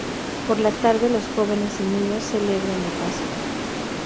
Por la tarde los jóvenes y niños celebran la Pascua.